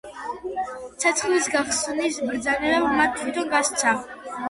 ცეცხლის გახსნის ბრძანება მან თვითონ გასცა.